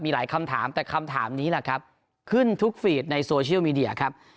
มีหลายคำถามแต่คำถามนี้แหละครับขึ้นทุกฟีดในโซเชียลมีเดียครับ